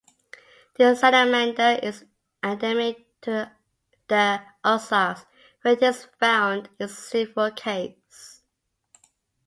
This salamander is endemic to the Ozarks, where it is found in several caves.